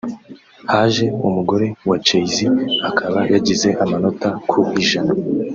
haje umugore wa Jay-Z akaba yagize amanota ku ijana